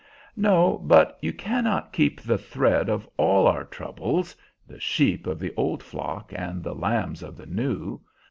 "No; but you cannot keep the thread of all our troubles the sheep of the old flock and the lambs of the new.